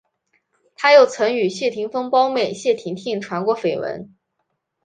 他又曾与谢霆锋胞妹谢婷婷传过绯闻。